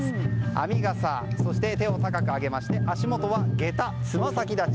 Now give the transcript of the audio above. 編み笠、そして手を高く上げまして、足元はげた爪先立ち。